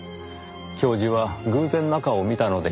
教授は偶然中を見たのでしょう。